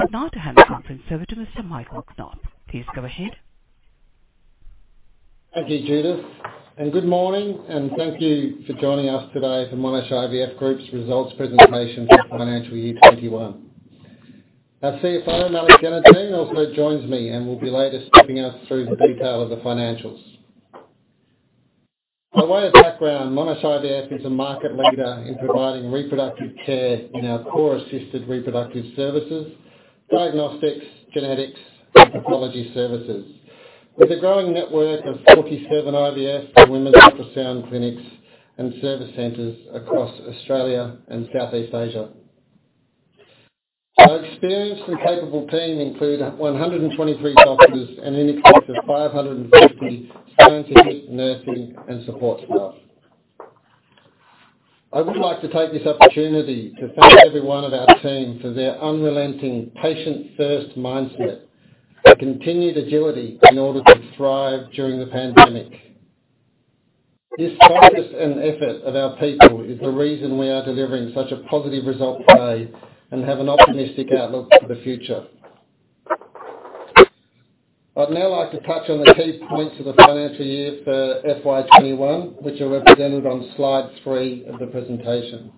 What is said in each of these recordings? I'd now to hand the conference over to Mr. Michael Knaap. Please go ahead. Thank you, Judith. Good morning, and thank you for joining us today for Monash IVF Group's results presentation for financial year 2021. Our CFO, Malik Jainudeen, also joins me and will be later stepping us through the detail of the financials. By way of background, Monash IVF is a market leader in providing reproductive care in our core assisted reproductive services, diagnostics, genetics, and pathology services. With a growing network of 47 IVF and women's ultrasound clinics and service centers across Australia and Southeast Asia. Our experienced and capable team include 123 doctors and an expanse of 550 scientific, nursing, and support staff. I would like to take this opportunity to thank every one of our team for their unrelenting patient-first mindset and continued agility in order to thrive during the pandemic. This focus and effort of our people is the reason we are delivering such a positive result today and have an optimistic outlook for the future. I'd now like to touch on the key points of the financial year for FY 2021, which are represented on Slide three of the presentation.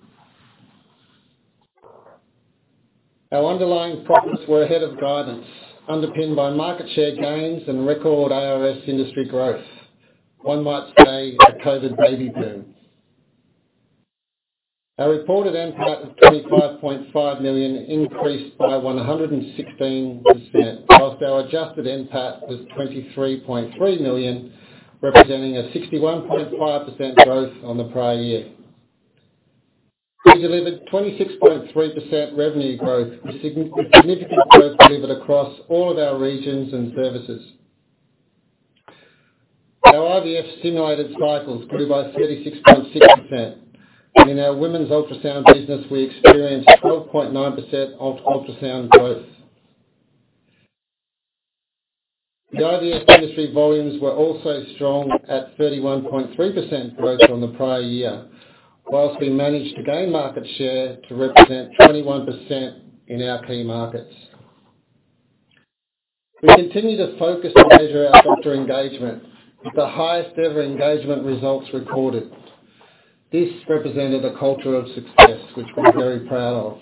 Our underlying profits were ahead of guidance, underpinned by market share gains and record ARS industry growth. One might say, a COVID baby boom. Our reported NPAT was 25.5 million, increased by 116%, whilst our adjusted NPAT was 23.3 million, representing a 61.5% growth on the prior year. We delivered 26.3% revenue growth, with significant growth delivered across all of our regions and services. Our IVF stimulated cycles grew by 36.6%. In our women's ultrasound business, we experienced 12.9% ultrasound growth. The IVF industry volumes were also strong at 31.3% growth from the prior year, whilst we managed to gain market share to represent 21% in our key markets. We continue to focus and measure our doctor engagement with the highest ever engagement results recorded. This represented a culture of success, which we're very proud of.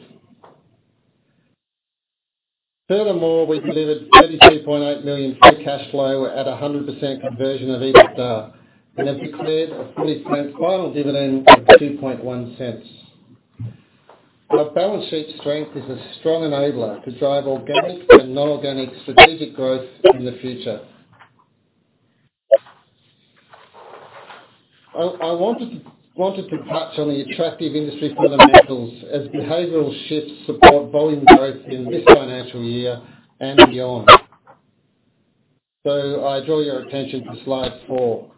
Furthermore, we delivered 32.8 million free cash flow at 100% conversion of EBITDA and have declared a fully franked final dividend of 0.021. Our balance sheet strength is a strong enabler to drive organic and non-organic strategic growth in the future. I wanted to touch on the attractive industry fundamentals as behavioral shifts support volume growth in this financial year and beyond. I draw your attention to Slide four.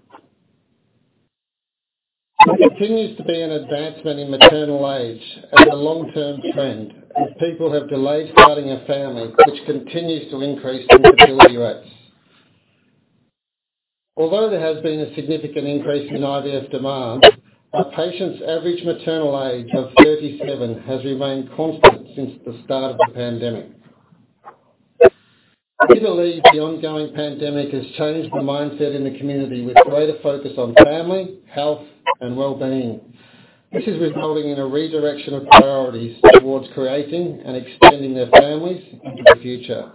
There continues to be an advancement in maternal age as a long-term trend as people have delayed starting a family, which continues to increase infertility rates. Although there has been a significant increase in IVF demand, our patients' average maternal age of 37 has remained constant since the start of the pandemic. We believe the ongoing pandemic has changed the mindset in the community, with greater focus on family, health, and well-being. This is resulting in a redirection of priorities towards creating and extending their families into the future.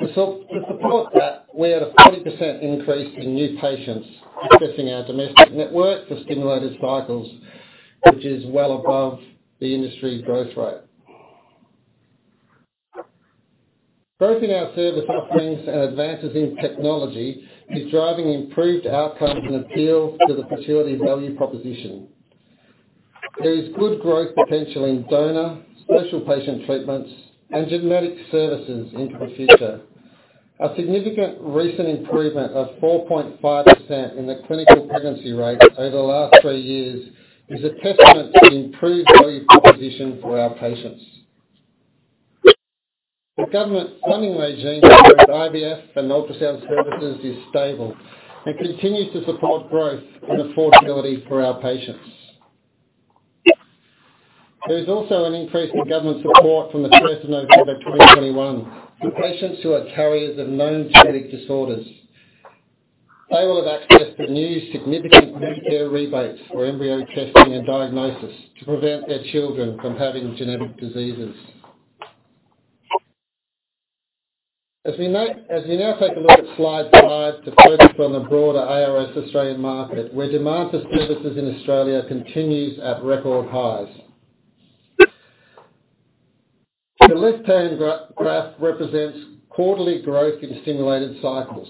To support that, we had a 40% increase in new patients accessing our domestic network for stimulated cycles, which is well above the industry growth rate. Growth in our service offerings and advances in technology is driving improved outcomes and appeal to the fertility value proposition. There is good growth potential in donor, special patient treatments, and genetic services into the future. A significant recent improvement of 4.5% in the clinical pregnancy rate over the last three years is a testament to the improved value proposition for our patients. The government funding regime for both IVF and ultrasound services is stable and continues to support growth and affordability for our patients. There is also an increase in government support from the November 1st, 2021 for patients who are carriers of known genetic disorders. They will have access to new significant Medicare rebates for embryo testing and diagnosis to prevent their children from having genetic diseases. As we now take a look at slide five to focus on the broader ARS Australian market, where demand for services in Australia continues at record highs. The left-hand graph represents quarterly growth in stimulated cycles.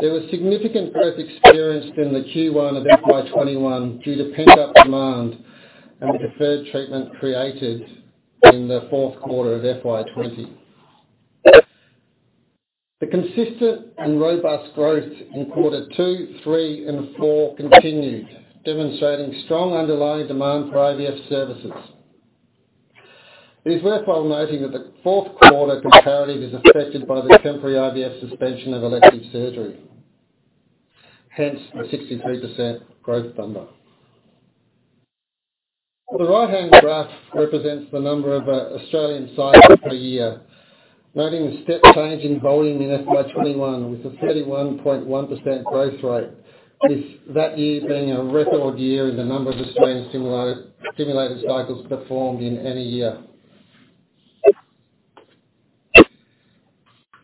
There was significant growth experienced in the Q1 of FY 2021 due to pent-up demand and the deferred treatment created in the fourth quarter of FY 2020. The consistent and robust growth in quarter two, three, and four continued, demonstrating strong underlying demand for IVF services. It is worthwhile noting that the fourth quarter comparative is affected by the temporary IVF suspension of elective surgery. Hence, the 63% growth number. The right-hand graph represents the number of Australian cycles per year. Noting the step change in volume in FY 2021 with a 31.1% growth rate, with that year being a record year in the number of Australian stimulated cycles performed in any year.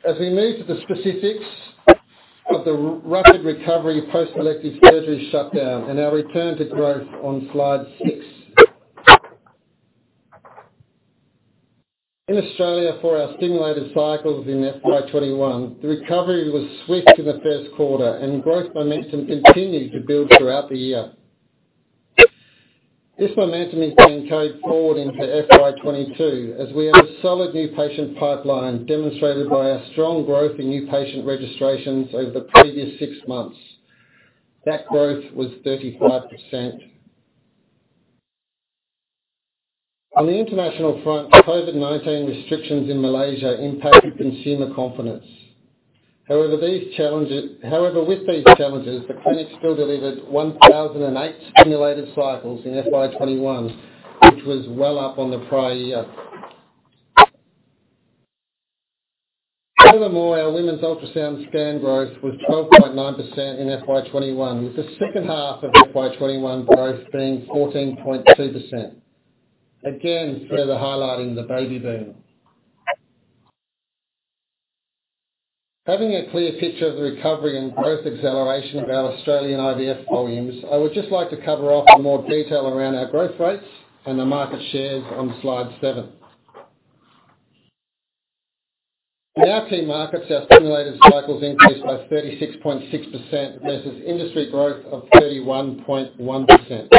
As we move to the specifics of the rapid recovery post-elective surgery shutdown and our return to growth on slide six. In Australia for our stimulated cycles in FY 2021, the recovery was swift in the first quarter, and growth momentum continued to build throughout the year. This momentum has been carried forward into FY 2022, as we have a solid new patient pipeline demonstrated by our strong growth in new patient registrations over the previous six months. That growth was 35%. On the international front, COVID-19 restrictions in Malaysia impacted consumer confidence. However, with these challenges, the clinic still delivered 1,008 stimulated cycles in FY 2021, which was well up on the prior year. Furthermore, our women's ultrasound scan growth was 12.9% in FY 2021, with the second half of FY 2021 growth being 14.2%. Again, further highlighting the baby boom. Having a clear picture of the recovery and growth acceleration of our Australian IVF volumes, I would just like to cover off in more detail around our growth rates and the market shares on slide seven. In our key markets, our stimulated cycles increased by 36.6% versus industry growth of 31.1%.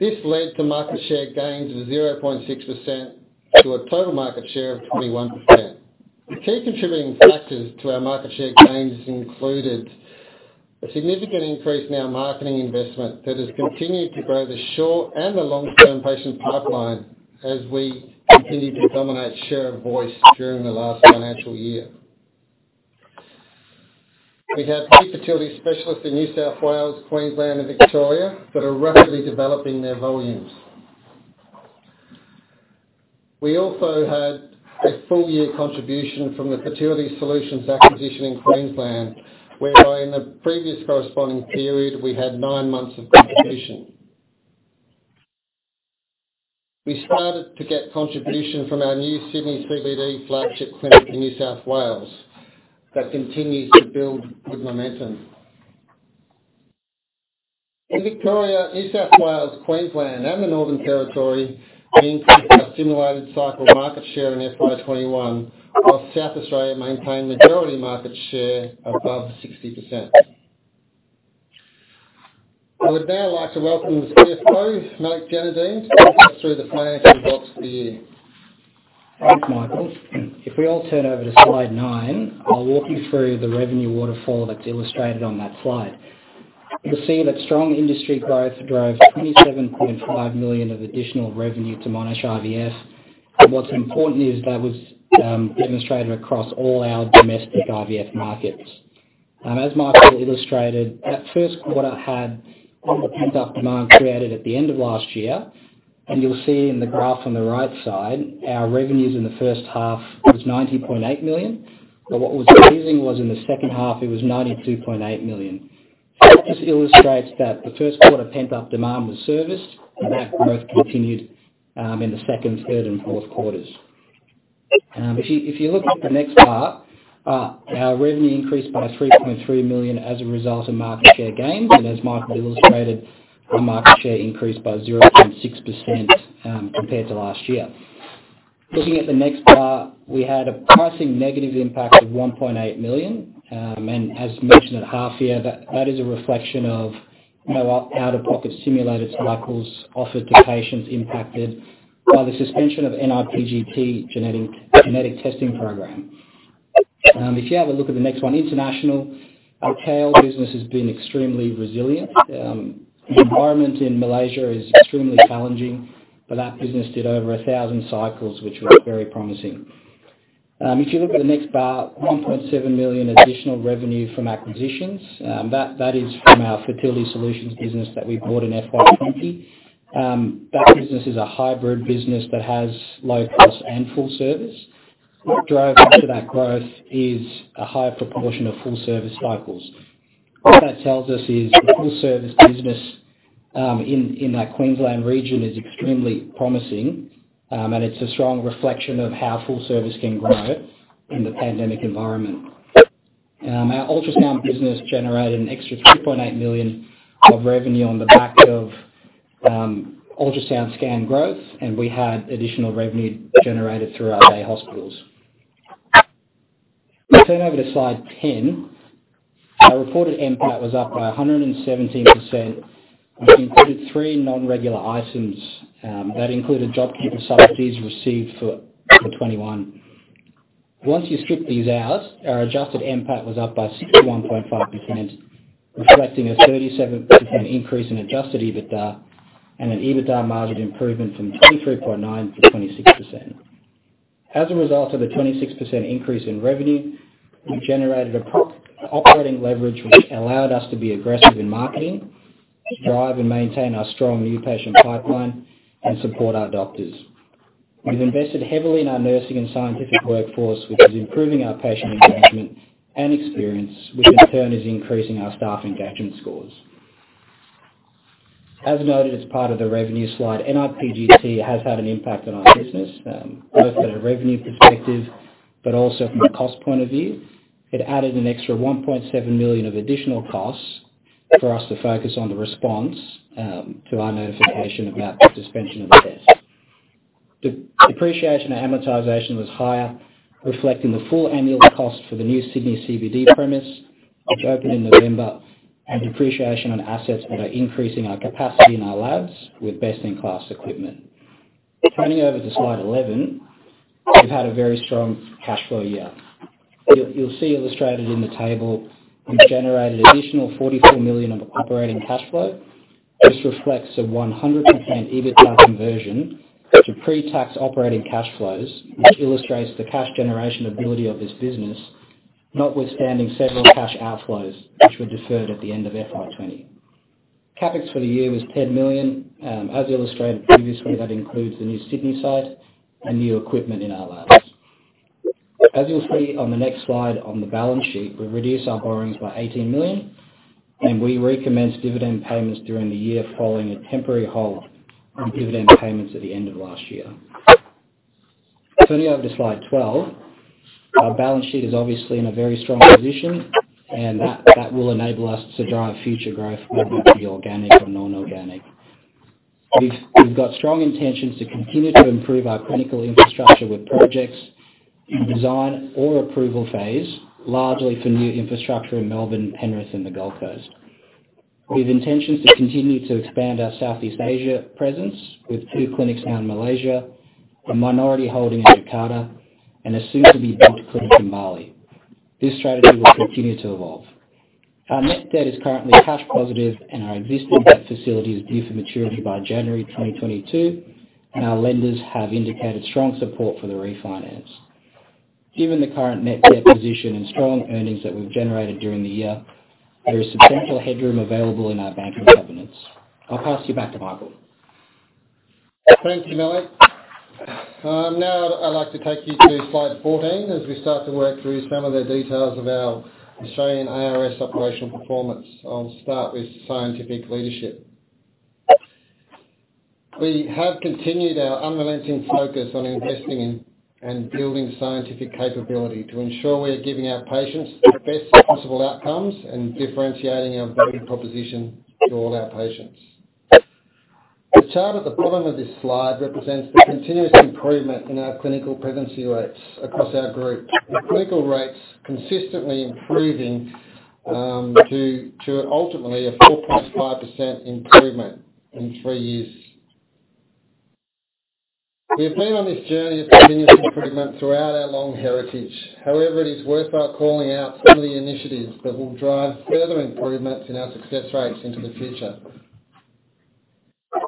This led to market share gains of 0.6% to a total market share of 21%. The key contributing factors to our market share gains included a significant increase in our marketing investment that has continued to grow the short and the long-term patient pipeline as we continued to dominate share of voice during the last financial year. We have key fertility specialists in New South Wales, Queensland, and Victoria that are rapidly developing their volumes. We also had a full year contribution from the Fertility Solutions acquisition in Queensland, whereby in the previous corresponding period, we had nine months of contribution. We started to get contribution from our new Sydney CBD flagship clinic in New South Wales that continues to build good momentum. In Victoria, New South Wales, Queensland, and the Northern Territory, we increased our stimulated cycle market share in FY 2021, while South Australia maintained majority market share above 60%. I would now like to welcome the CFO, Malik Jainudeen, to talk us through the financial results for the year. Thanks, Michael. If we all turn over to slide nine, I'll walk you through the revenue waterfall that's illustrated on that slide. You'll see that strong industry growth drove 27.5 million of additional revenue to Monash IVF. What's important is that was demonstrated across all our domestic IVF markets. Michael illustrated, that first quarter had all the pent-up demand created at the end of last year, and you'll see in the graph on the right side, our revenues in the first half was 90.8 million, but what was amazing was in the second half, it was 92.8 million. It just illustrates that the first quarter pent-up demand was serviced and that growth continued in the second, third, and fourth quarters. If you look at the next bar, our revenue increased by 3.3 million as a result of market share gains. As Michael illustrated, our market share increased by 0.6% compared to last year. Looking at the next bar, we had a pricing negative impact of 1.8 million. As mentioned at half year, that is a reflection of no out-of-pocket stimulated cycles offered to patients impacted by the suspension of Ni-PGT genetic testing program. If you have a look at the next one, international and tail business has been extremely resilient. The environment in Malaysia is extremely challenging. That business did over 1,000 cycles, which was very promising. If you look at the next bar, 1.7 million additional revenue from acquisitions. That is from our Fertility Solutions business that we bought in FY 2020. That business is a hybrid business that has low cost and full service. What drove each of that growth is a higher proportion of full-service cycles. What that tells us is the full-service business in that Queensland region is extremely promising, and it's a strong reflection of how full service can grow in the pandemic environment. Our ultrasound business generated an extra 3.8 million of revenue on the back of ultrasound scan growth, and we had additional revenue generated through our day hospitals. If we turn over to slide 10, our reported NPAT was up by 117%, which included three non-regular items. That included JobKeeper subsidies received for FY 2021. Once you strip these out, our adjusted NPAT was up by 61.5%, reflecting a 37% increase in adjusted EBITDA and an EBITDA margin improvement from 23.9%-26%. As a result of the 26% increase in revenue, we generated an operating leverage, which allowed us to be aggressive in marketing, drive and maintain our strong new patient pipeline, and support our doctors. We've invested heavily in our nursing and scientific workforce, which is improving our patient engagement and experience, which in turn is increasing our staff engagement scores. As noted as part of the revenue slide, Ni-PGT has had an impact on our business, both from a revenue perspective, but also from a cost point of view. It added an extra 1.7 million of additional costs for us to focus on the response to our notification about the suspension of the test. Depreciation and amortization was higher, reflecting the full annual cost for the new Sydney CBD premise, which opened in November, and depreciation on assets that are increasing our capacity in our labs with best-in-class equipment. Turning over to slide 11, we've had a very strong cash flow year. You'll see illustrated in the table, we've generated additional 44 million of operating cash flow. This reflects a 100% EBITDA conversion to pre-tax operating cash flows, which illustrates the cash generation ability of this business, notwithstanding several cash outflows, which were deferred at the end of FY 2020. CapEx for the year was 10 million. As illustrated previously, that includes the new Sydney site and new equipment in our labs. As you'll see on the next slide on the balance sheet, we've reduced our borrowings by 18 million, and we recommenced dividend payments during the year following a temporary halt on dividend payments at the end of last year. Turning over to slide 12, our balance sheet is obviously in a very strong position, and that will enable us to drive future growth, whether it be organic or non-organic. We've got strong intentions to continue to improve our clinical infrastructure with projects in design or approval phase, largely for new infrastructure in Melbourne, Penrith, and the Gold Coast. We have intentions to continue to expand our Southeast Asia presence with two clinics now in Malaysia, a minority holding in Jakarta, and a soon-to-be built clinic in Bali. This strategy will continue to evolve. Our net debt is currently cash positive and our existing debt facility is due for maturity by January 2022, and our lenders have indicated strong support for the refinance. Given the current net debt position and strong earnings that we've generated during the year, there is substantial headroom available in our banking covenants. I'll pass you back to Michael. Thank you, Malik. Now, I'd like to take you to slide 14 as we start to work through some of the details of our Australian ARS operational performance. I'll start with scientific leadership. We have continued our unrelenting focus on investing in and building scientific capability to ensure we are giving our patients the best possible outcomes and differentiating our value proposition to all our patients. The chart at the bottom of this slide represents the continuous improvement in our clinical pregnancy rates across our group, with clinical rates consistently improving to ultimately a 4.5% improvement in three years. We have been on this journey of continuous improvement throughout our long heritage. However, it is worth our calling out some of the initiatives that will drive further improvements in our success rates into the future.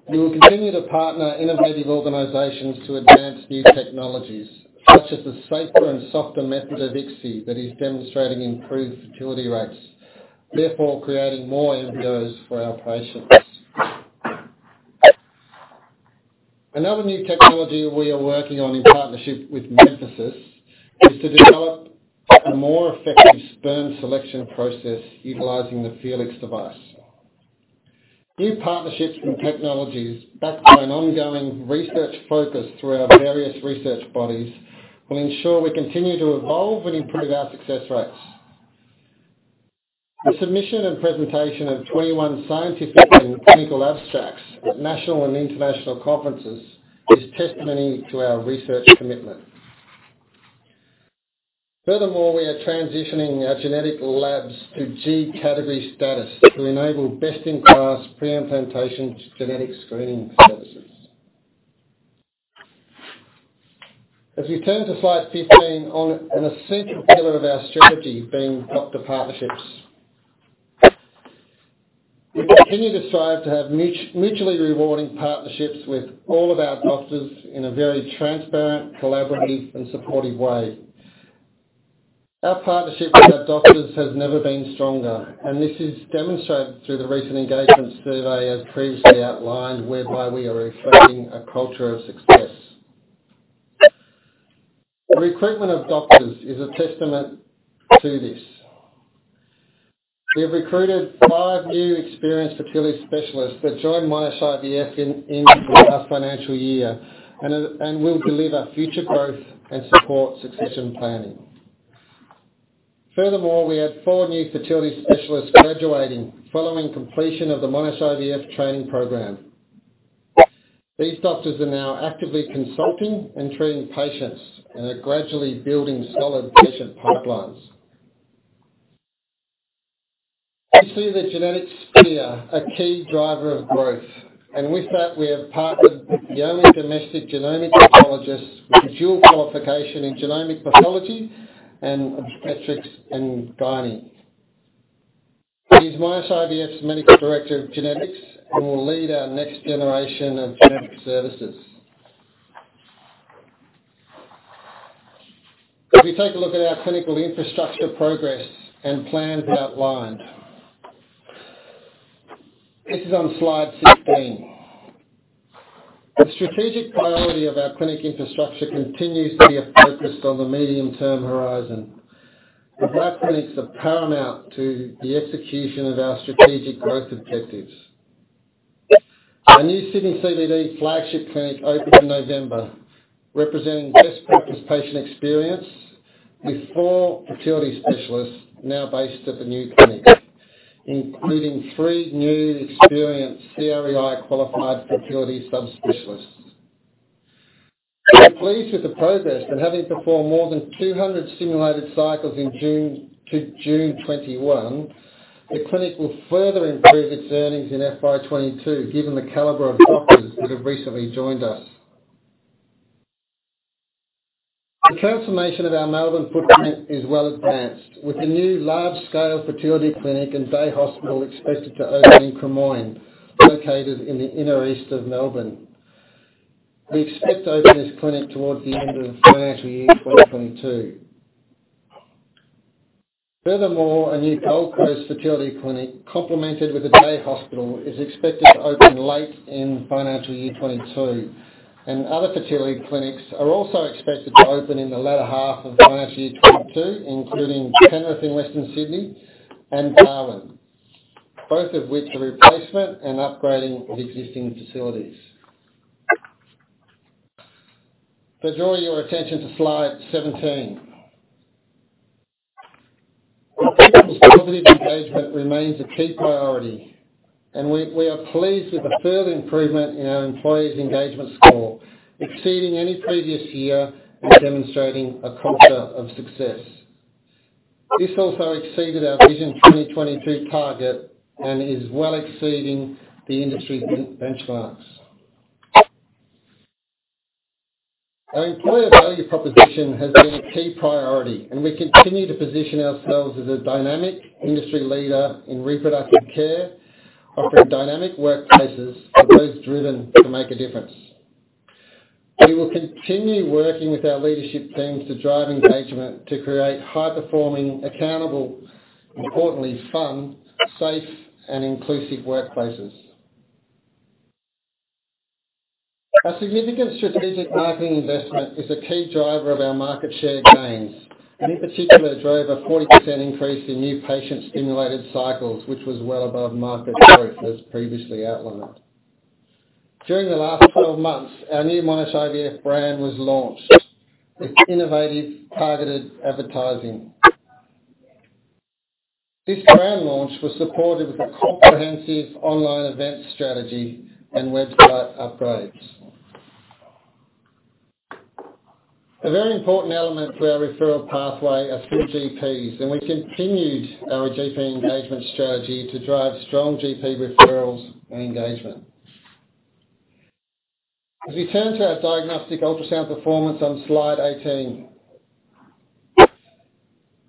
We will continue to partner innovative organizations to advance new technologies, such as the safer and softer method of ICSI that is demonstrating improved fertility rates, therefore creating more embryos for our patients. Another new technology we are working on in partnership with Memphasys is to develop a more effective sperm selection process utilizing the Felix device. New partnerships and technologies backed by an ongoing research focus through our various research bodies will ensure we continue to evolve and improve our success rates. The submission and presentation of 21 scientific and clinical abstracts at national and international conferences is testimony to our research commitment. We are transitioning our genetic labs to NATA accreditation status to enable best-in-class pre-implantation genetic screening services. As we turn to slide 15, on an essential pillar of our strategy being doctor partnerships. We continue to strive to have mutually rewarding partnerships with all of our doctors in a very transparent, collaborative, and supportive way. Our partnership with our doctors has never been stronger, and this is demonstrated through the recent engagement survey as previously outlined, whereby we are reflecting a culture of success. The recruitment of doctors is a testament to this. We have recruited five new experienced fertility specialists that joined Monash IVF in the past financial year and will deliver future growth and support succession planning. We had four new fertility specialists graduating following completion of the Monash IVF Training Program. These doctors are now actively consulting and treating patients and are gradually building solid patient pipelines. We see the genetics sphere a key driver of growth. With that, we have partnered with the only domestic genomic pathologist with a dual qualification in genomic pathology and obstetrics and gyne. He's Monash IVF's Medical Director of Genetics and will lead our next generation of genetic services. If we take a look at our clinical infrastructure progress and plans outlined. This is on slide 16. The strategic priority of our clinic infrastructure continues to be focused on the medium-term horizon, as lab clinics are paramount to the execution of our strategic growth objectives. Our new Sydney CBD flagship clinic opened in November, representing best practice patient experience with four fertility specialists now based at the new clinic, including three new experienced CREI-qualified fertility sub-specialists. We are pleased with the progress and having performed more than 200 stimulated cycles to June 2021, the clinic will further improve its earnings in FY 2022, given the caliber of doctors that have recently joined us. The transformation of our Melbourne footprint is well advanced, with the new large-scale fertility clinic and day hospital expected to open in Cremorne, located in the inner east of Melbourne. We expect to open this clinic towards the end of financial year 2022. Furthermore, a new Gold Coast fertility clinic, complemented with a day hospital, is expected to open late in financial year 2022, and other fertility clinics are also expected to open in the latter half of financial year 2022, including Penrith in Western Sydney and Darwin, both of which are replacement and upgrading of existing facilities. If I draw your attention to slide 17. Our people's positive engagement remains a key priority, and we are pleased with the further improvement in our employees' engagement score, exceeding any previous year and demonstrating a culture of success. This also exceeded our Vision 2026 target and is well exceeding the industry benchmarks. Our employer value proposition has been a key priority, and we continue to position ourselves as a dynamic industry leader in reproductive care, offering dynamic workplaces for those driven to make a difference. We will continue working with our leadership teams to drive engagement to create high-performing, accountable, and importantly, fun, safe, and inclusive workplaces. Our significant strategic marketing investment is a key driver of our market share gains, and in particular, it drove a 40% increase in new patient-stimulated cycles, which was well above market growth as previously outlined. During the last 12 months, our new Monash IVF brand was launched with innovative targeted advertising. This brand launch was supported with a comprehensive online event strategy and website upgrades. A very important element for our referral pathway are through GPs, and we continued our GP engagement strategy to drive strong GP referrals and engagement. If you turn to our diagnostic ultrasound performance on slide 18.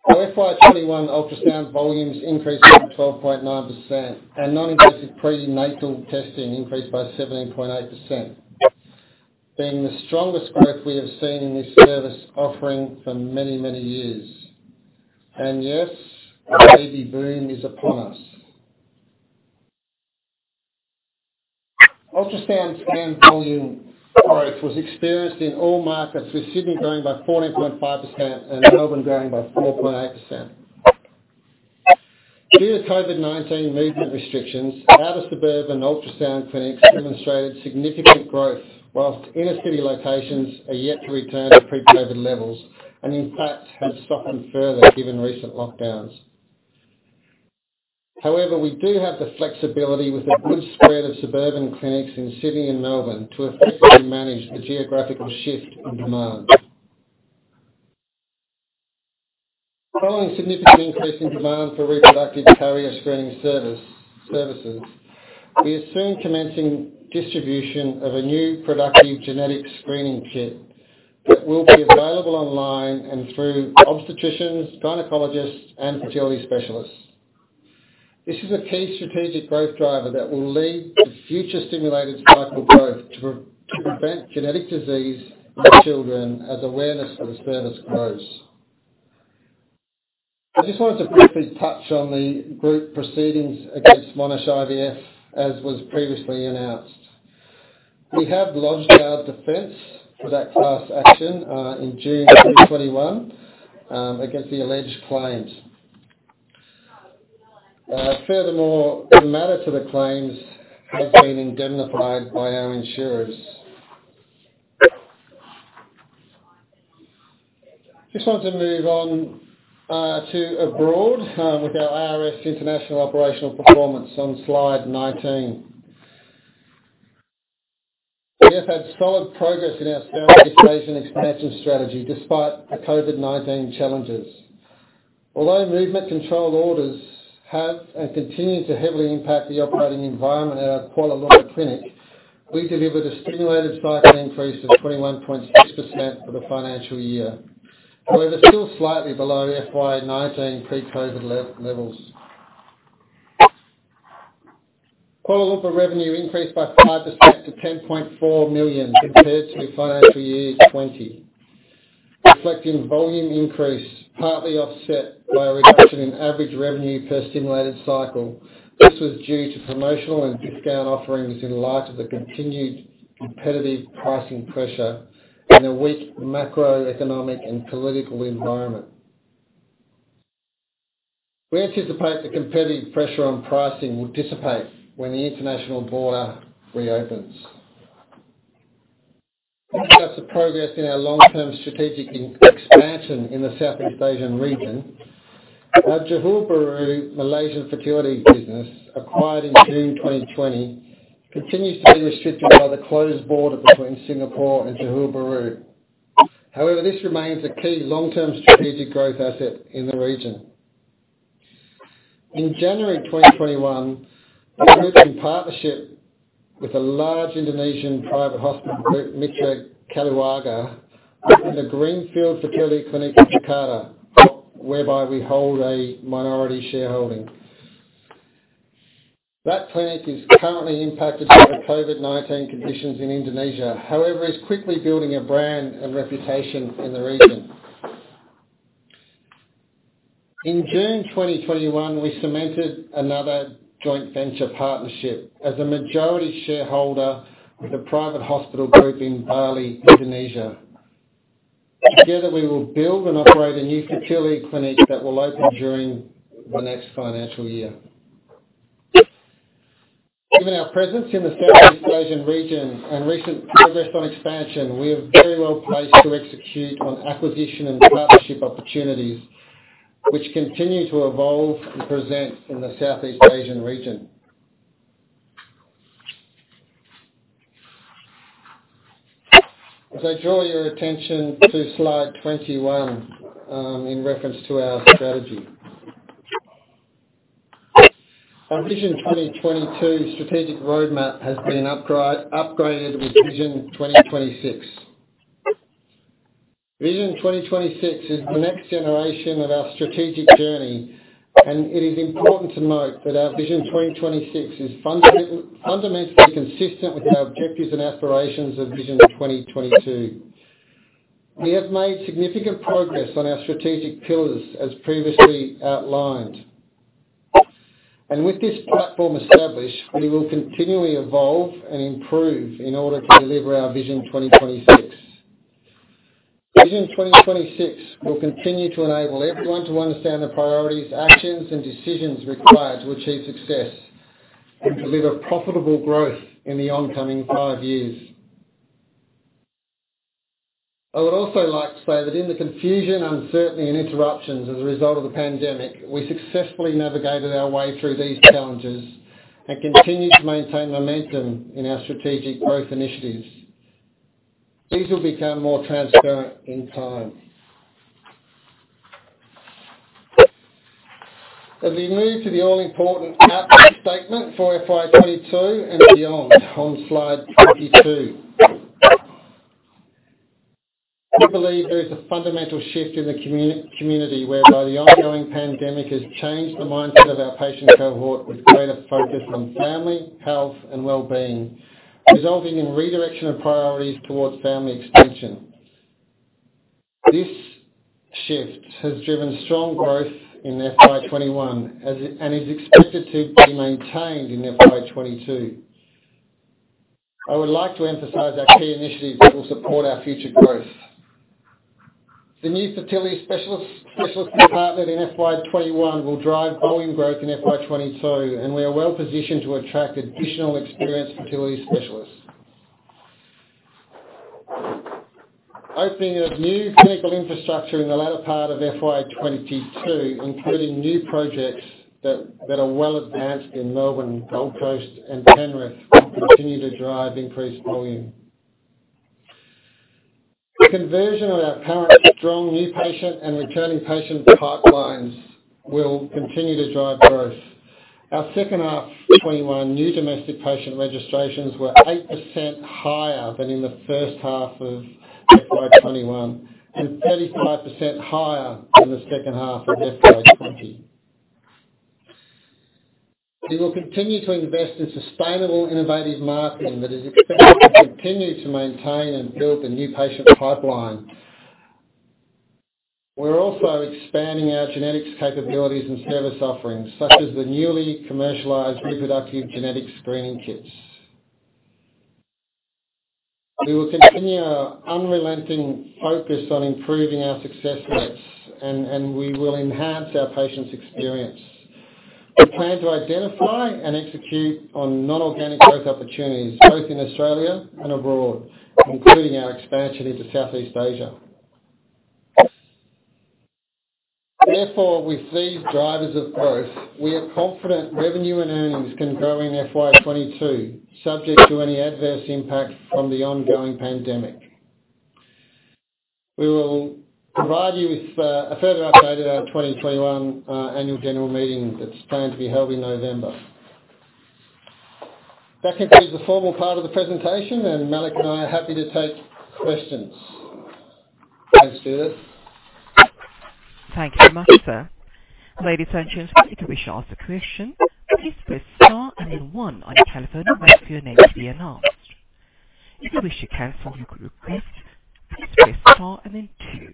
Our FY 2021 ultrasound volumes increased by 12.9%, and non-invasive prenatal testing increased by 17.8%, being the strongest growth we have seen in this service offering for many, many years. Yes, the baby boom is upon us. Ultrasound scan volume growth was experienced in all markets, with Sydney growing by 14.5% and Melbourne growing by 4.8%. Due to COVID-19 movement restrictions, outer suburban ultrasound clinics demonstrated significant growth, whilst inner-city locations are yet to return to pre-COVID levels, and in fact, have softened further given recent lockdowns. However, we do have the flexibility with a good spread of suburban clinics in Sydney and Melbourne to effectively manage the geographical shift in demand. Following significant increase in demand for reproductive carrier screening services, we are soon commencing distribution of a new reproductive genetic screening kit that will be available online and through obstetricians, gynecologists, and fertility specialists. This is a key strategic growth driver that will lead to future stimulated cycle growth to prevent genetic disease in children as awareness of the service grows. I just wanted to briefly touch on the group proceedings against Monash IVF, as was previously announced. We have lodged our defense for that class action in June 2021 against the alleged claims. Furthermore, the matter to the claims has been indemnified by our insurers. Just wanted to move on to abroad with our ARS international operational performance on slide 19. We have had solid progress in our Southeast Asian expansion strategy despite the COVID-19 challenges. Although movement control orders have and continue to heavily impact the operating environment at our Kuala Lumpur clinic, we delivered a stimulated cycle increase of 21.6% for the financial year, although they're still slightly below FY 2019 pre-COVID levels. Kuala Lumpur revenue increased by 5% to 10.4 million compared to FY 2020, reflecting volume increase, partly offset by a reduction in average revenue per stimulated cycle. This was due to promotional and discount offerings in light of the continued competitive pricing pressure in a weak macroeconomic and political environment. We anticipate the competitive pressure on pricing will dissipate when the international border reopens. Discuss the progress in our long-term strategic expansion in the Southeast Asian region. Our Johor Bahru Malaysian fertility business, acquired in June 2020, continues to be restricted by the closed border between Singapore and Johor Bahru. However, this remains a key long-term strategic growth asset in the region. In January 2021, we entered in partnership with a large Indonesian private hospital group, Mitra Keluarga, in the Greenfield Fertility Clinic in Jakarta, whereby we hold a minority shareholding. That clinic is currently impacted by the COVID-19 conditions in Indonesia, however, is quickly building a brand and reputation in the region. In June 2021, we cemented another joint venture partnership as a majority shareholder with a private hospital group in Bali, Indonesia. Together, we will build and operate a new fertility clinic that will open during the next financial year. Given our presence in the Southeast Asian region and recent progress on expansion, we are very well placed to execute on acquisition and partnership opportunities, which continue to evolve and present in the Southeast Asian region. As I draw your attention to slide 21, in reference to our strategy. Our Vision 2022 strategic roadmap has been upgraded with Vision 2026. Vision 2026 is the next generation of our strategic journey, and it is important to note that our Vision 2026 is fundamentally consistent with our objectives and aspirations of Vision 2022. We have made significant progress on our strategic pillars, as previously outlined. With this platform established, we will continually evolve and improve in order to deliver our Vision 2026. Vision 2026 will continue to enable everyone to understand the priorities, actions, and decisions required to achieve success and deliver profitable growth in the oncoming five years. I would also like to say that in the confusion, uncertainty, and interruptions as a result of the pandemic, we successfully navigated our way through these challenges and continued to maintain momentum in our strategic growth initiatives. These will become more transparent in time. As we move to the all-important outlook statement for FY 2022 and beyond, on slide 22. We believe there is a fundamental shift in the community whereby the ongoing pandemic has changed the mindset of our patient cohort with greater focus on family, health, and wellbeing, resulting in redirection of priorities towards family expansion. This shift has driven strong growth in FY 2021 and is expected to be maintained in FY 2022. I would like to emphasize our key initiatives that will support our future growth. The new fertility specialist department in FY 2021 will drive volume growth in FY 2022, and we are well-positioned to attract additional experienced fertility specialists. Opening of new clinical infrastructure in the latter part of FY 2022, including new projects that are well advanced in Melbourne, Gold Coast, and Penrith, will continue to drive increased volume. Conversion of our current strong new patient and returning patient pipelines will continue to drive growth. Our second half 2021 new domestic patient registrations were 8% higher than in the first half of FY 2021 and 35% higher than the second half of FY 2020. We will continue to invest in sustainable, innovative marketing that is expected to continue to maintain and build the new patient pipeline. We are also expanding our genetics capabilities and service offerings, such as the newly commercialized reproductive genetic screening kits. We will continue our unrelenting focus on improving our success rates, and we will enhance our patients' experience. We plan to identify and execute on non-organic growth opportunities both in Australia and abroad, including our expansion into Southeast Asia. With these drivers of growth, we are confident revenue and earnings can grow in FY 2022, subject to any adverse impacts from the ongoing pandemic. We will provide you with a further update at our 2021 annual general meeting that's planned to be held in November. That concludes the formal part of the presentation, and Malik and I are happy to take questions. Thanks, Stuart. Thank you so much, sir. Ladies and gents, if you wish to ask a question, please press Star and then one on your telephone and wait for your name to be announced. If you wish to cancel your request, please press star and then two.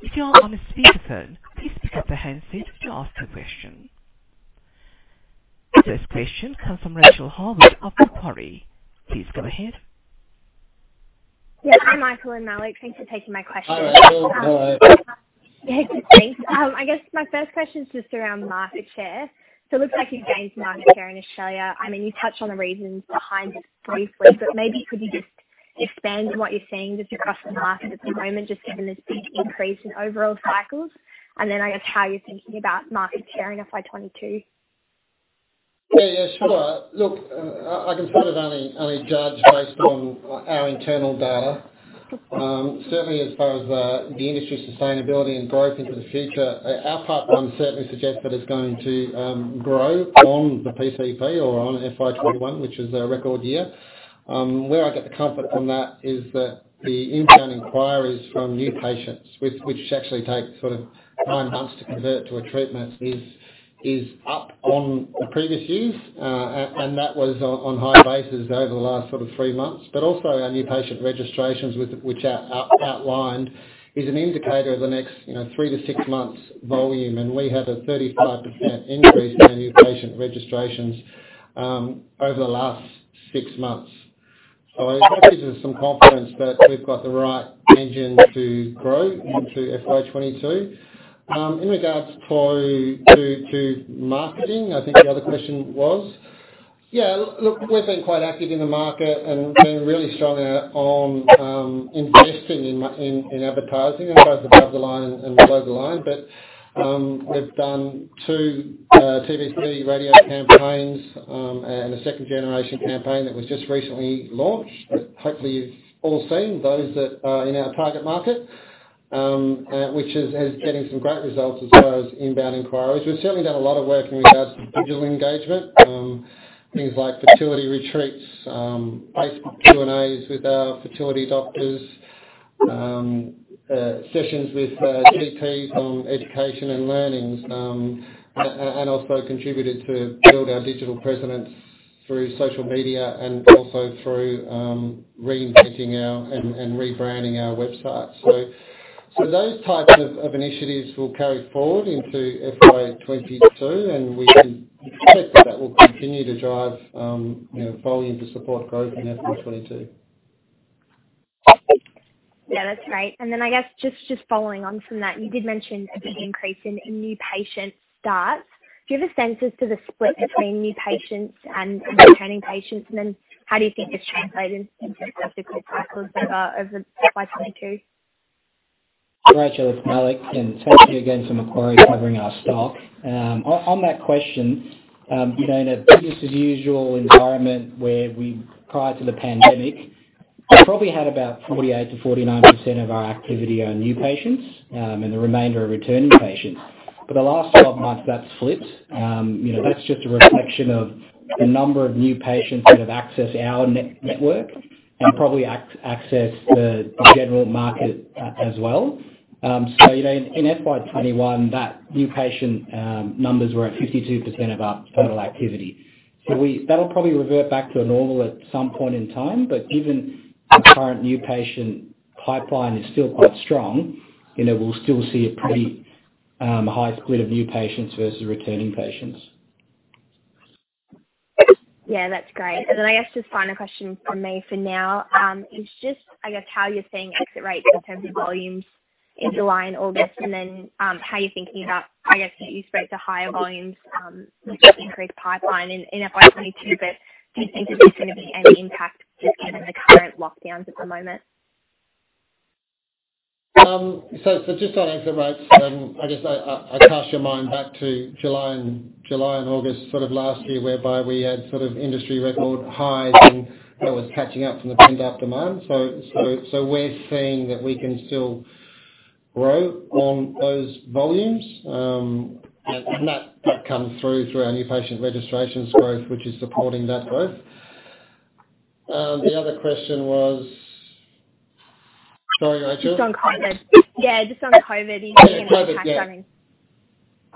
If you are on a speakerphone, please pick up the handset to ask your question. The first question comes from Rachael Harwood of Macquarie. Please go ahead. Yeah. Hi, Michael and Malik. Thanks for taking my question. Hi, Rachael. Hello. Yeah. Thanks. I guess my first question is just around market share. Looks like you've gained market share in Australia. You touched on the reasons behind this briefly, but maybe could you just expand what you're seeing just across the market at the moment, just given this big increase in overall cycles, and then, I guess how you're thinking about market share in FY 2022. Yeah. Sure. Look, I can sort of only judge based on our internal data. Certainly as far as the industry sustainability and growth into the future, our pipeline certainly suggests that it's going to grow on the PCP or on FY 2021, which is our record year. Where I get the comfort on that is that the inbound inquiries from new patients, which actually take nine months to convert to a treatment, is up on the previous years. That was on high bases over the last sort of three months. Also our new patient registrations, which are outlined, is an indicator of the next three to six months volume, and we had a 35% increase in our new patient registrations, over the last six months. It gives us some confidence that we've got the right engine to grow into FY 2022. In regards to marketing, I think the other question was. Yeah, look, we've been quite active in the market and been really strong on investing in advertising, both above the line and below the line. We've done two TVC radio campaigns, and a second-generation campaign that was just recently launched that hopefully you've all seen, those that are in our target market, which is getting some great results as far as inbound inquiries. We've certainly done a lot of work in regards to digital engagement, things like fertility retreats, Facebook Q&As with our fertility doctors, sessions with GPs on education and learnings, and also contributed to build our digital presence through social media and also through rethinking and rebranding our website. Those types of initiatives will carry forward into FY 2022, and we expect that will continue to drive volume to support growth in FY 2022. Yeah. That's great. I guess just following on from that, you did mention a big increase in new patient starts. Do you have a sense as to the split between new patients and returning patients? How do you think it's translated in terms of the full cycles over FY 2022? Rachael, it's Malik. Thank you again for Macquarie covering our stock. On that question, in a business as usual environment where we, prior to the pandemic, probably had about 48%-49% of our activity are new patients, the remainder are returning patients. For the last 12 months, that's flipped. That's just a reflection of the number of new patients that have accessed our network and probably accessed the general market as well. In FY 2021, that new patient numbers were at 52% of our total activity. That'll probably revert back to a normal at some point in time, given our current new patient pipeline is still quite strong, we'll still see a pretty high split of new patients versus returning patients. Yeah. That's great. I guess just final question from me for now, is just, I guess how you're seeing exit rates in terms of volumes in July and August, how you're thinking about, I guess, you spread to higher volumes, with that increased pipeline in FY 2022. Do you think that there's going to be any impact just given the current lockdowns at the moment? Just on exit rates, I guess I cast your mind back to July and August last year, whereby we had industry record highs, and that was catching up from the pent-up demand. We're seeing that we can still grow on those volumes. That comes through our new patient registrations growth, which is supporting that growth. The other question was? Sorry, Rachael. Just on COVID. Yeah, just on COVID. You think any impact going?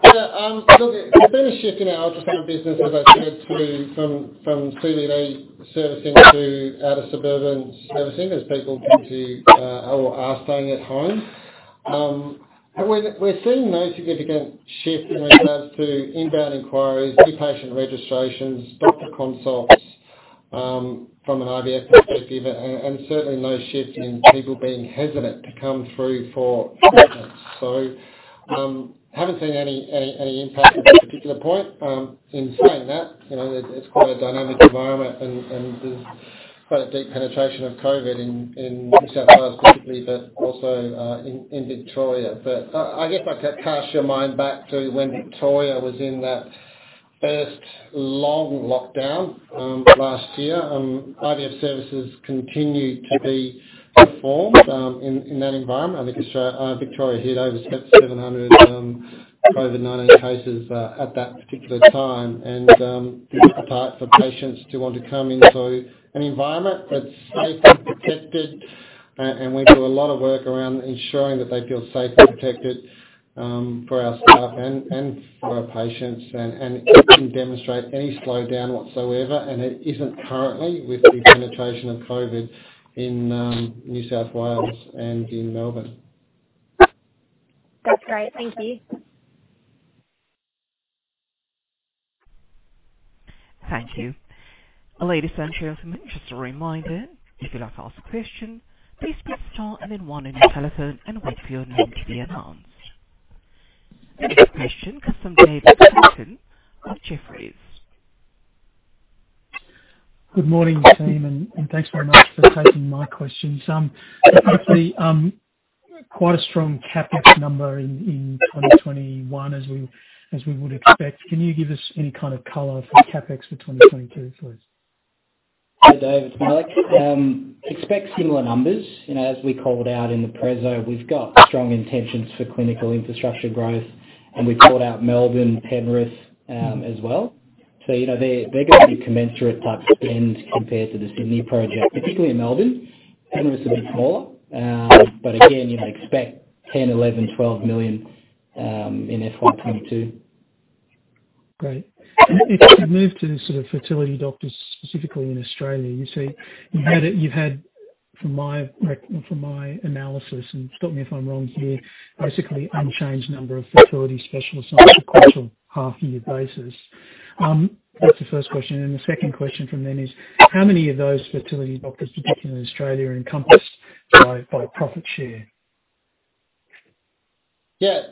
COVID. Look, there's been a shift in our customer business, as I said, to, from CBD servicing to out of suburban servicing as people tend to or are staying at home. We're seeing no significant shift in regards to inbound inquiries, new patient registrations, doctor consults, from an IVF perspective, and certainly no shift in people being hesitant to come through for treatments. Haven't seen any impact at this particular point. In saying that, it's quite a dynamic environment, and there's quite a deep penetration of COVID in New South Wales specifically, but also, in Victoria. I guess I cast your mind back to when Victoria was in that first long lockdown, last year. IVF services continued to be performed, in that environment. I think Victoria hit over 700 COVID-19 cases, at that particular time. People are apart for patients to want to come into an environment that's safe and protected. We do a lot of work around ensuring that they feel safe and protected, for our staff and for our patients. It didn't demonstrate any slowdown whatsoever, and it isn't currently, with the penetration of COVID in New South Wales and in Melbourne. That's great. Thank you. Thank you. Ladies and gentlemen, just a reminder, if you'd like to ask a question, please press star and then one on your telephone and wait for your name to be announced. Next question comes from David Stanton of Jefferies. Good morning, team, and thanks very much for taking my questions. Quickly, quite a strong CapEx number in 2021, as we would expect. Can you give us any kind of color for CapEx for 2022, please? Hi, Dave, it's Malik. Expect similar numbers. As we called out in the preso, we've got strong intentions for clinical infrastructure growth, and we called out Melbourne, Penrith as well. They're going to be commensurate type spend compared to the Sydney project, particularly in Melbourne. Penrith's a bit smaller. Again, expect 10 million, 11 million, 12 million in FY 2022. Great. If we could move to sort of fertility doctors specifically in Australia, you've had, from my analysis, and stop me if I'm wrong here, basically unchanged number of fertility specialists on a quarter, half year basis. That's the first question. The second question from then is, how many of those fertility doctors, particularly in Australia, are encompassed by profit share? Yeah.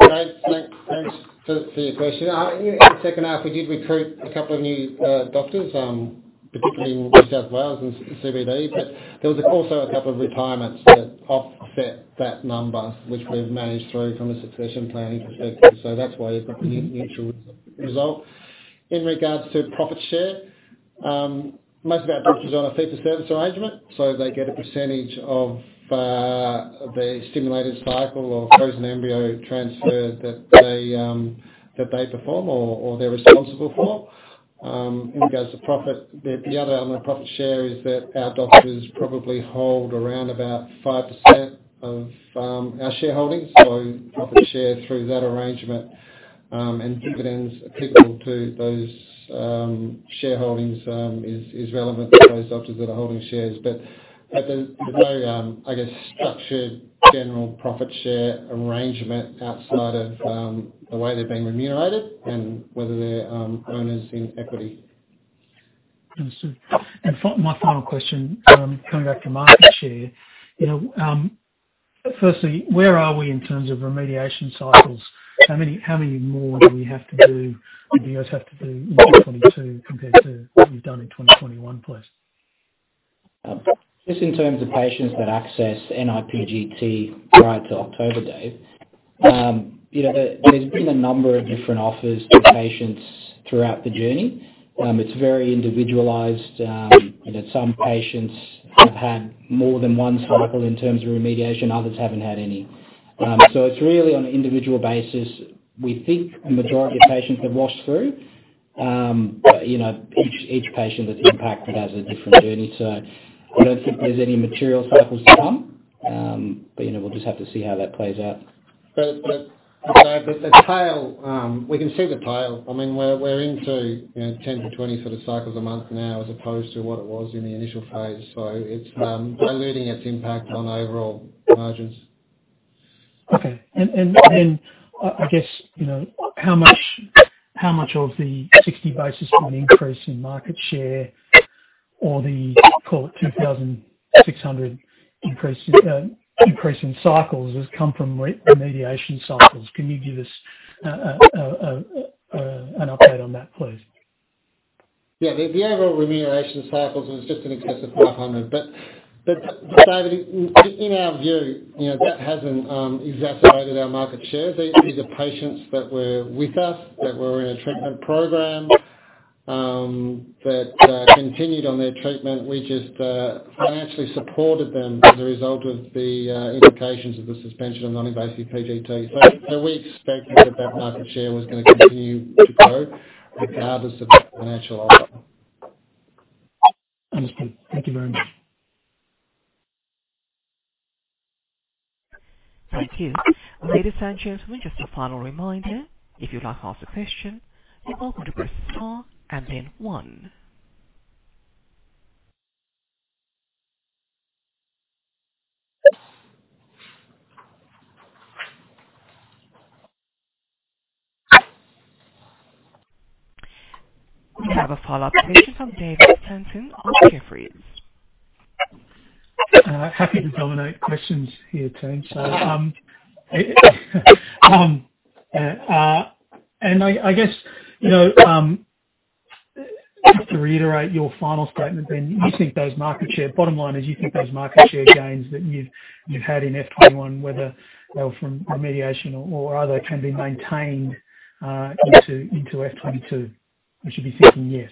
Dave, thanks for your question. In the second half, we did recruit a couple of new doctors, particularly in New South Wales and CBD, but there was also a couple of retirements that offset that number, which we've managed through from a succession planning perspective. That is why you've got the neutral result. In regards to profit share, most of our doctors are on a fee for service arrangement, so they get a percentage of the stimulated cycle or frozen embryo transfer that they perform or they're responsible for. In regards to profit, the other element of profit share is that our doctors probably hold around about 5% of our shareholdings. Profit share through that arrangement, and dividends applicable to those shareholdings is relevant for those doctors that are holding shares. There's no, I guess, structured general profit share arrangement outside of the way they're being remunerated and whether they're owners in equity. Understood. My final question, coming back to market share. Firstly, where are we in terms of remediation cycles? How many more do you guys have to do in 2022 compared to what you've done in 2021, please? Just in terms of patients that access Ni-PGT prior to October, Dave, there's been a number of different offers to patients throughout the journey. It's very individualized. Some patients have had more than one cycle in terms of remediation, others haven't had any. It's really on an individual basis. We think a majority of patients have washed through. Each patient that's impacted has a different journey. We don't think there's any material cycles to come. We'll just have to see how that plays out. Dave, the tail, we can see the tail. I mean, we're into 10-20 sort of cycles a month now as opposed to what it was in the initial phase. It's diluting its impact on overall margins. Okay. I guess, how much of the 60 basis point increase in market share or the, call it, 2,600 increase in cycles has come from remediation cycles? Can you give us an update on that, please? Yeah. The overall remuneration cycles was just in excess of 500. Dave, in our view, that hasn't exacerbated our market share. These are patients that were with us, that were in a treatment program, that continued on their treatment. We just financially supported them as a result of the implications of the suspension of non-invasive PGT. We expected that that market share was going to continue to grow regardless of the financial offer. Understood. Thank you very much. Thank you. Ladies and gentlemen, just a final reminder, if you'd like to ask a question, you're welcome to press star and then one. We have a follow-up question from David Stanton of Jefferies. Happy to dominate questions here, Tim. I guess, just to reiterate your final statement then, bottom line is you think those market share gains that you've had in FY 2021, whether they're from remediation or other, can be maintained into FY 2022? We should be thinking yes.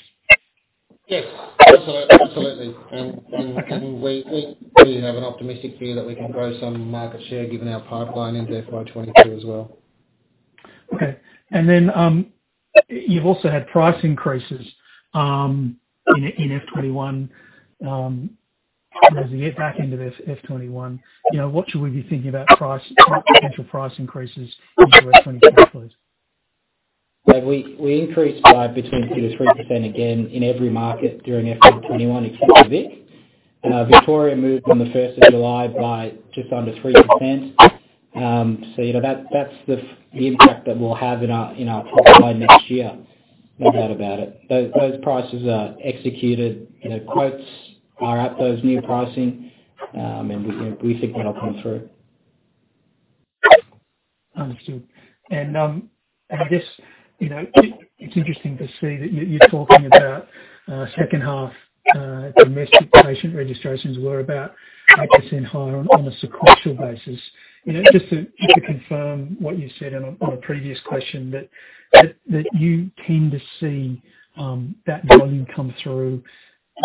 Yes. Absolutely. Okay. We have an optimistic view that we can grow some market share given our pipeline into FY 2022 as well. Okay. Then you've also had price increases in FY 2021, as we get back into this FY 2021. What should we be thinking about potential price increases into FY 2021, please? Yeah. We increased by between 2%-3% again in every market during FY 2021, except for Vic. Victoria moved on the July1st by just under 3%. That's the impact that we'll have in our pipeline next year. No doubt about it. Those prices are executed. Quotes are at those new pricing, and we think that'll come through. Understood. I guess, it's interesting to see that you're talking about second half domestic patient registrations were about 8% higher on a sequential basis. Just to confirm what you said on a previous question, that you tend to see that volume come through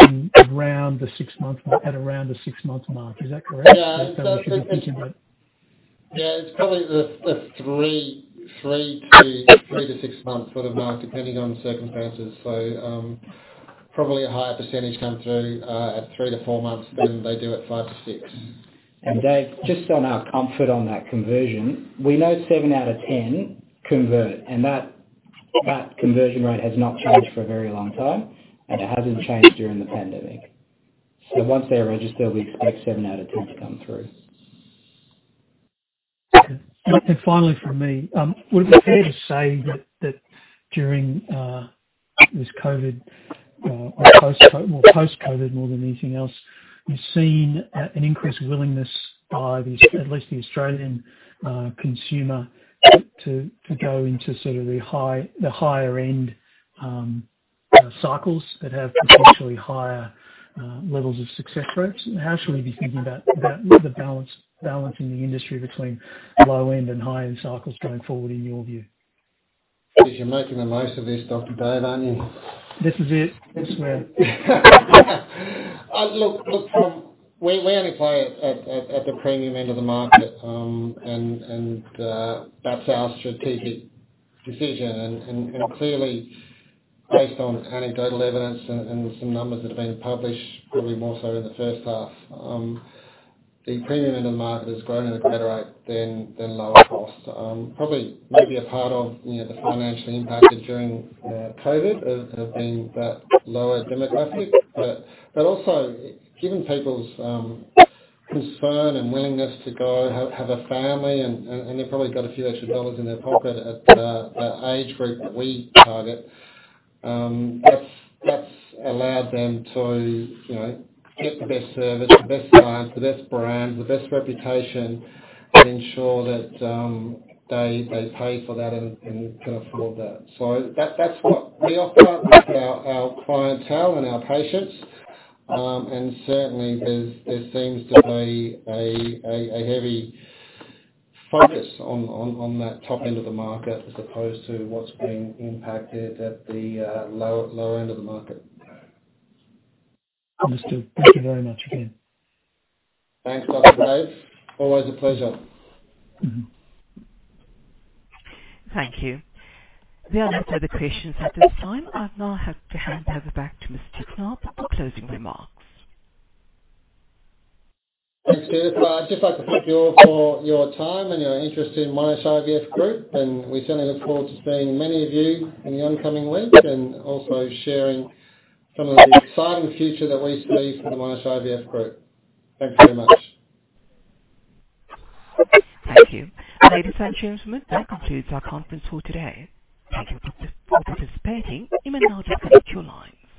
at around the six months mark. Is that correct? Yeah. It's probably the three to six months sort of mark, depending on the circumstances. Probably a higher percentage come through at three to four months than they do at five to six. Dave, just on our comfort on that conversion, we know seven out of 10 convert, and that conversion rate has not changed for a very long time, and it hasn't changed during the pandemic. Once they're registered, we expect seven out of 10 to come through. Okay. Finally from me, would it be fair to say that during this COVID, or post-COVID more than anything else, you've seen an increased willingness by at least the Australian consumer to go into sort of the higher end cycles that have potentially higher levels of success rates? How should we be thinking about the balance in the industry between low end and high end cycles going forward in your view? Jeez, you're making the most of this, David Stanton, aren't you? This is it. This is me. Look, we only play at the premium end of the market, and that's our strategic decision. Clearly, based on anecdotal evidence and some numbers that have been published, probably more so in the 1st half, the premium end of market has grown at a better rate than lower cost. Probably maybe a part of the financial impact during COVID has been that lower demographic. Also, given people's concern and willingness to go have a family, and they've probably got a few extra AUD in their pocket at the age group that we target, that's allowed them to get the best service, the best science, the best brand, the best reputation, and ensure that they pay for that and can afford that. That's what we offer up with our clientele and our patients, and certainly there seems to be a heavy focus on that top end of the market as opposed to what's been impacted at the lower end of the market. Understood. Thank you very much again. Thanks, David Stanton. Always a pleasure. Thank you. There are no further questions at this time. I'd now have to hand over back to Mr. Knaap for closing remarks. Thanks, Judith. I'd just like to thank you all for your time and your interest in Monash IVF Group. We certainly look forward to seeing many of you in the upcoming weeks, and also sharing some of the exciting future that we see for the Monash IVF Group. Thanks very much. Thank you. Ladies and gentlemen, that concludes our conference call today. Thank you for participating. You may now disconnect your lines.